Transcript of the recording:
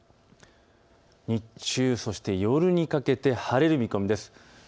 日中、夜にかけて晴れる見込みです。